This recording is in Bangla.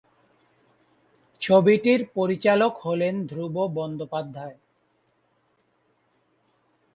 ছবিটির পরিচালক হলেন ধ্রুব বন্দ্যোপাধ্যায়।